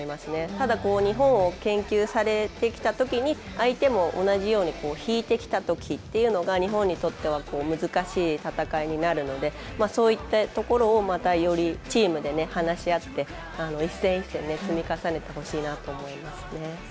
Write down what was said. ただ日本を研究されてきたときに相手も同じように引いてきたとき、日本にとって難しい戦いになるのでそういったところをまたよりチームで話し合って一戦一戦、積み重ねてほしいなと思います。